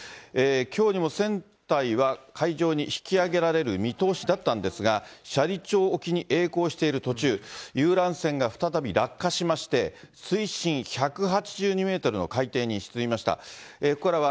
きょうにも船体は海上に引き揚げられる見通しだったんですが、斜里町沖にえい航している途中、遊覧船が再び落下しまして、水深１８２メートルの海底に沈みました。